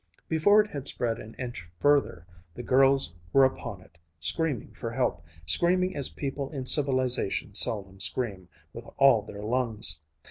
Before it had spread an inch further, the girls were upon it, screaming for help, screaming as people in civilization seldom scream, with all their lungs.